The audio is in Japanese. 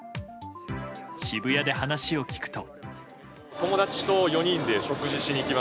渋谷で話を聞くと。